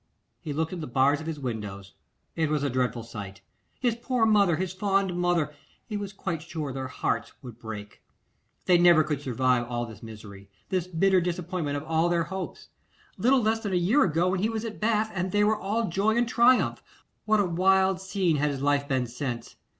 He looked at the bars of his windows, it was a dreadful sight. His poor father, his fond mother, he was quite sure their hearts would break. They never could survive all this misery, this bitter disappointment of all their chopes. Little less than a year ago and he was at Bath, and they were all joy and triumph. What a wild scene had his life been since!